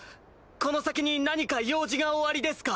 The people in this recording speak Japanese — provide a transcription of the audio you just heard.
この先に何か用事がおありですか？